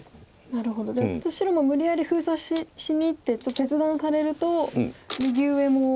なるほどじゃあ白も無理やり封鎖しにいって切断されると右上も。